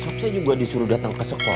tuh besok saya juga disuruh datang ke sekolah